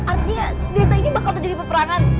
artinya biasanya ini bakal terjadi peperangan